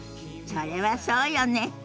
それはそうよね。